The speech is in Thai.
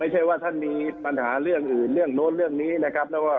ว่าท่านมีปัญหาเรื่องอื่นเรื่องโน้นเรื่องนี้นะครับ